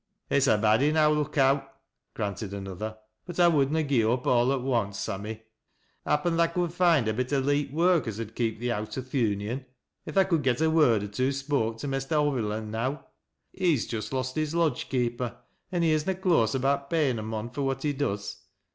It's a bad enow lookout," granted another, " but 1 weald na gi' up aw at onct, Sammy. Happen tha could find a bit o' leet work, as ud keep thee owt o' th' Union If tha could get a word or two spoke to Mester Hoviland, now. He's jest lost his lodge keeper an' he is na close about payin' a mon fur what he does.